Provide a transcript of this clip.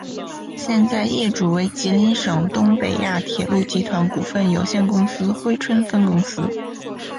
现在业主为吉林省东北亚铁路集团股份有限公司珲春分公司。